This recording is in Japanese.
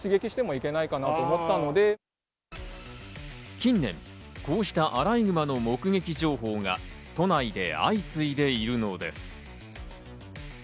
近年、こうしたアライグマの目撃情報が都内で相次いでいるのです。